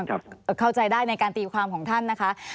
เข้าใจได้ในการตีความของท่านนะคะ